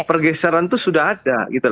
pergeseran itu sudah ada